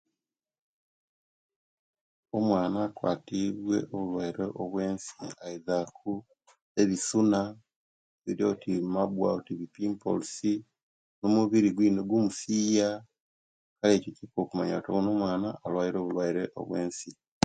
Omwaana akwatiibwe obulwaire obwensi aizaku ebisuna, biba oti mabwa, pimpolsi, omubiri guingumusiiya, kale otek kucimanya nti onomwana, alwaire obulwaire obwensi.